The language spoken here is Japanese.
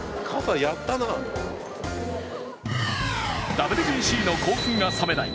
ＷＢＣの興奮が冷めない